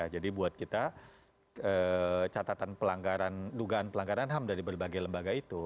jadi buat kita catatan pelanggaran dugaan pelanggaran ham dari berbagai lembaga itu